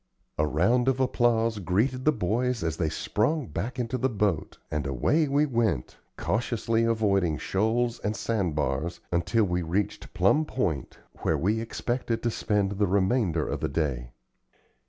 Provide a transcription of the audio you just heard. A round of applause greeted the boys as they sprung back into the boat, and away we went, cautiously avoiding shoals and sand bars, until we reached Plum Point, where we expected to spend the remainder of the day.